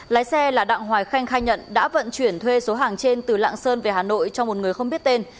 lái xe là đặng hoài khanh khai nhận đã vận chuyển thuê số hàng trên từ lạng sơn về hà nội cho một người không biết tên